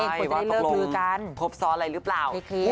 ควรจะได้เลิกรู้กันครบซ้อนอะไรรึเปล่า